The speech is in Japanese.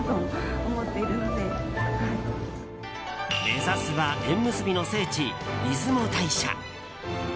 目指すは縁結びの聖地出雲大社。